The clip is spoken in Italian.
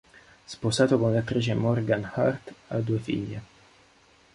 Sposato con l'attrice Morgan Hart, ha due figlie.